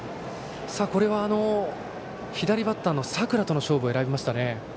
これは、左バッターの佐倉との勝負を選びましたね。